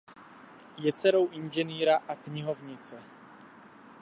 Je dcerou inženýra a knihovnice.